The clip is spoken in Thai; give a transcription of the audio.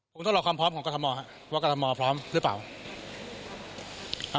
ผมต้องรอความพร้อมของกรทมครับว่ากรทมพร้อมหรือเปล่า